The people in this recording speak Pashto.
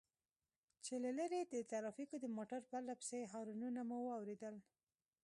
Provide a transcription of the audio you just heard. چې له لرې د ټرافيکو د موټر پرله پسې هارنونه مو واورېدل.